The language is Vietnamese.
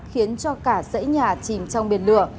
khiến cho cả dãy nhà chìm trong biển lửa